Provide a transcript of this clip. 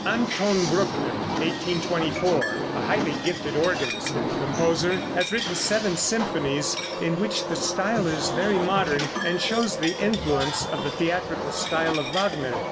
Anton Bruckner (1824 ) a highly gifted organist and composer, has written seven symphonies, in which the style is very modern, and shows the influence of the theatrical style of Wagner.